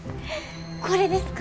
これですか？